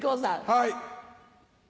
はい。